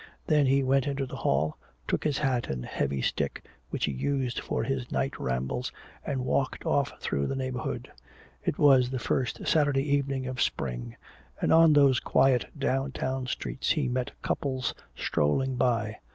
Then he went into the hall, took his hat and a heavy stick which he used for his night rambles, and walked off through the neighborhood. It was the first Saturday evening of Spring, and on those quiet downtown streets he met couples strolling by.